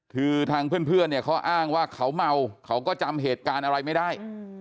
คือทางเพื่อนเนี่ยเขาอ้างว่าเขาเมาเขาก็จำเหตุการณ์อะไรไม่ได้